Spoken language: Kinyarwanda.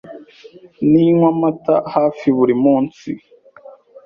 Ninywa amata hafi buri munsi.